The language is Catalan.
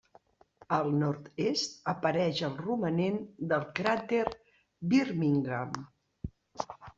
Al nord-est apareix el romanent del cràter Birmingham.